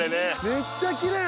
めっちゃきれい！